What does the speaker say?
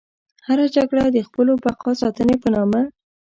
هره جګړه د خپلو بقا ساتنې په نامه.